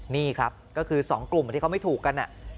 นี่ครับก็คือ๒กลุ่มที่เขาไม่ถูกกัน